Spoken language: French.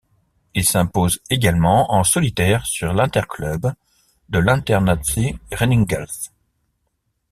Il s'impose également en solitaire sur l'interclub de l'Internatie Reningelst.